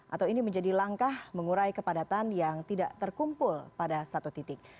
atau ini menjadi langkah mengurai kepadatan yang tidak terkumpul pada satu titik